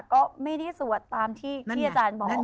ก็ไม่ได้สวดตามที่ที่อาจารย์บอกนะครับ